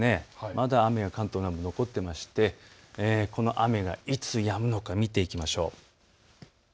まだ雨が関東南部に残っていましてこの雨がいつやむのか見ていきましょう。